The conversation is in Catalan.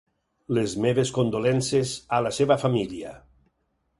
Les meves condolences a la seva família.